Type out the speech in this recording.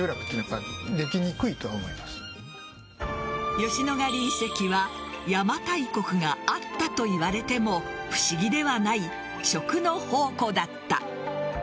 吉野ヶ里遺跡は邪馬台国があったと言われても不思議ではない食の宝庫だった。